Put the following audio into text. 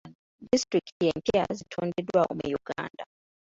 Disitulikiti empya zitondeddwawo mu Uganda.